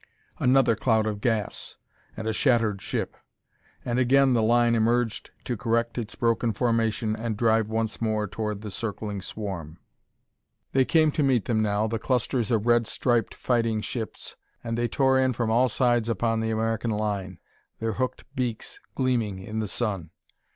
Another cloud of gas! and a shattered ship! and again the line emerged to correct its broken formation and drive once more toward the circling swarm. They came to meet them now, the clusters of red striped fighting ships, and they tore in from all sides upon the American line, their hooked beaks gleaming in the sun.